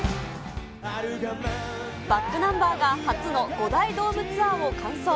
ｂａｃｋｎｕｍｂｅｒが、初の５大ドームツアーを完走。